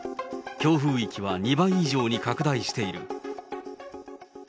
強風域は２倍以上に拡大している。